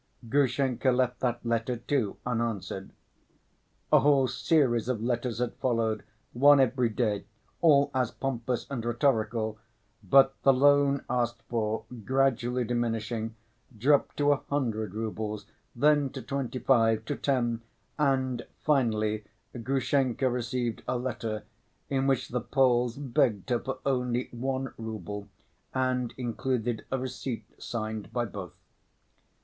Grushenka left that letter, too, unanswered. A whole series of letters had followed—one every day—all as pompous and rhetorical, but the loan asked for, gradually diminishing, dropped to a hundred roubles, then to twenty‐five, to ten, and finally Grushenka received a letter in which both the Poles begged her for only one rouble and included a receipt signed by both.